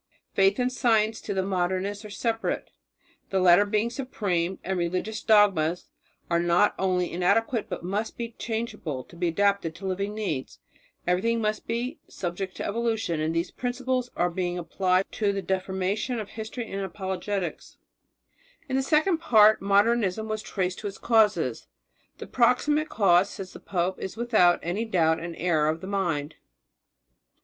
Faith and science to the Modernist are separate, the latter being supreme, and religious dogmas are not only inadequate but must be changeable to be adapted to living needs. Everything must be subject to evolution, and these principles were being applied to the deformation of history and of apologetics. In the second part Modernism was traced to its causes. "The proximate cause," said the pope, "is without any doubt an error of the mind.